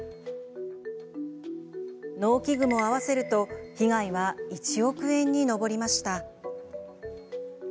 農機具も合わせると被害は１億円に上りました。